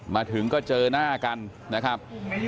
มาถึงก็เจอหน้ากันนะครับ